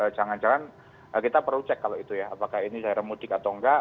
jangan jangan kita perlu cek kalau itu ya apakah ini cara mudik atau enggak